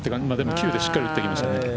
９でしっかり打ってきましたね。